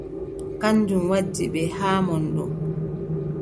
Kanjum waddi ɓe haa mon ɗo.